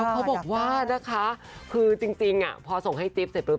เขาบอกว่านะคะคือจริงพอส่งให้จิ๊บเสร็จปุ๊